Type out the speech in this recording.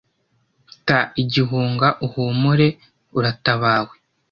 Ta igihunga uhumure, uratabawe